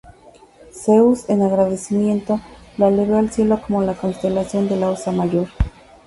Zeus, en agradecimiento, la elevó al cielo como la constelación de la Osa Mayor.